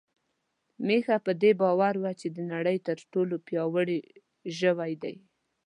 میښه په دې باور وه چې د نړۍ تر ټولو پياوړې ژوی ده.